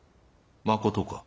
まことか？